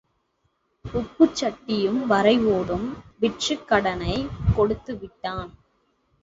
உப்புச் சட்டியும் வறை ஓடும் விற்றுக்கடனைக் கொடுத்து விட்டான்.